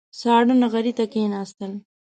ساړه نغري ته کېناستل.